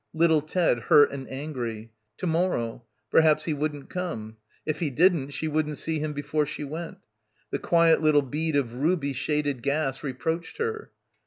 Little Ted hurt and angry. To morrow. Perhaps he wouldn't come. If he didn't she wouldn't see him before she went. The quiet little bead of ruby shaded gas reproached her.